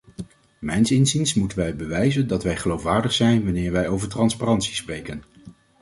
Mijns inziens moeten wij bewijzen dat wij geloofwaardig zijn wanneer wij over transparantie spreken.